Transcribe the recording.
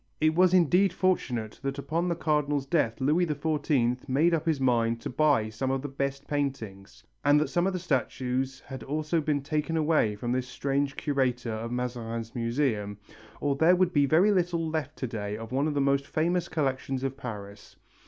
It was indeed fortunate that upon the Cardinal's death Louis XIV made up his mind to buy some of the best paintings, and that some of the statues had also been taken away from this strange curator of Mazarin's museum, or there would be very little left to day of one of the most famous collections of Paris.